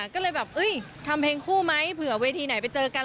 ก็เลยแบบทำเพลงคู่ไหมเผื่อเวทีไหนไปเจอกัน